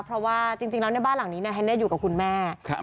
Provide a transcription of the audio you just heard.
เพราะว่าจริงจริงแล้วในบ้านหลังนี้นายธเนธอยู่กับคุณแม่ครับ